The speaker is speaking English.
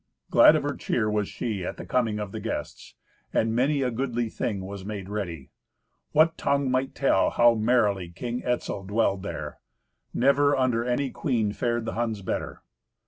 Glad of her cheer was she at the coming of the guests, and many a goodly thing was made ready. What tongue might tell how merrily King Etzel dwelled there? Never under any queen fared the Huns better.